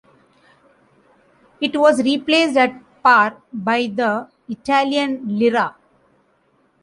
It was replaced at par by the Italian lira.